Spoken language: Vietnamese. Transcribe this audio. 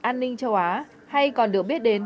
an ninh châu á hay còn được biết đến